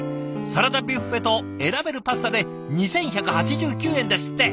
サラダビュッフェと選べるパスタで２，１８９円ですって。